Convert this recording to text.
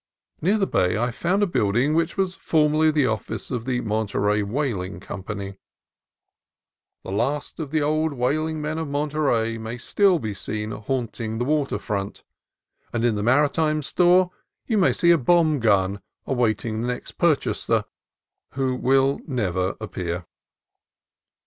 Near the bay I found a building which was formerly the office of the Monterey Whaling Company. The last of the old whaling men of Monterey may still be seen haunt ing the water front, and in the marine store you may see a bomb gun awaiting the purchaser who will never appear.